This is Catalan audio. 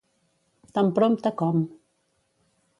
Tan prompte com.